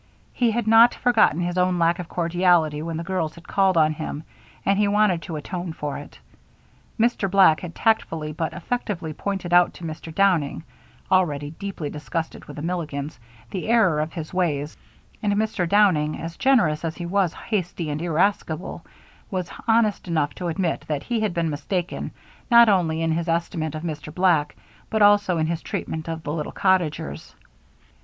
He had not forgotten his own lack of cordiality when the girls had called on him, and he wanted to atone for it. Mr. Black had tactfully but effectively pointed out to Mr. Downing already deeply disgusted with the Milligans the error of his ways, and Mr. Downing, as generous as he was hasty and irascible, was honest enough to admit that he had been mistaken not only in his estimate of Mr. Black, but also in his treatment of the little cottagers.